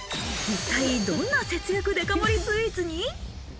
一体どんな節約デカ盛りスイーツに？